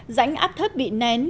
rãnh áp thất bị nén